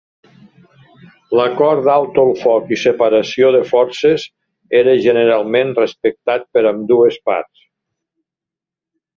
L'Acord d'Alto el Foc i Separació de Forces era generalment respectat per ambdues parts.